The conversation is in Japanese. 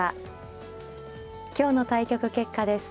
今日の対局結果です。